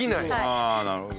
ああなるほど。